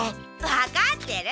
わかってる。